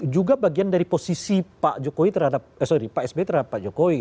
juga bagian dari posisi pak jokowi terhadap sorry pak sby terhadap pak jokowi